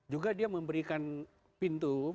juga dia memberikan pintu